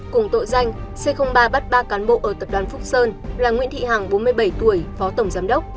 cùng tội danh c ba bắt ba cán bộ ở tập đoàn phúc sơn là nguyễn thị hằng bốn mươi bảy tuổi phó tổng giám đốc